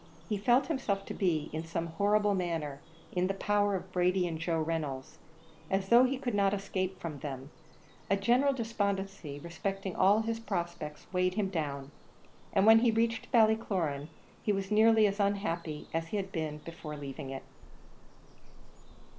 He felt himself to be, in some horrible manner, in the power of Brady and Joe Reynolds as though he could not escape from them. A general despondency respecting all his prospects weighed him down, and when he reached Ballycloran, he was nearly as unhappy as he had been in leaving it.